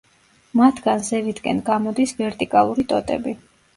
მათგან ზევითკენ გამოდის ვერტიკალური ტოტები.